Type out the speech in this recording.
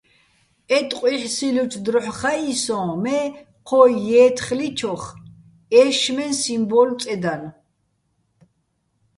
ე ტყუ́ჲჰ̦სილლუჩო̆ დროჰ̦ ხაჸი სოჼ, მე ჴო ჲე́თხლიჩოხ ეშშმეჼ სიმბო́ლო̆ წედანო̆.